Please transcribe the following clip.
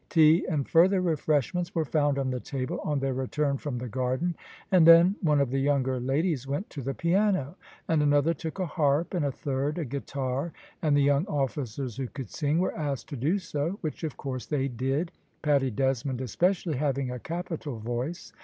Tea and further refreshments were found on the table on their return from the garden, and then one of the younger ladies went to the piano, and another took a harp, and a third a guitar, and the young officers who could sing were asked to do so, which of course they did, Paddy Desmond especially having a capital voice.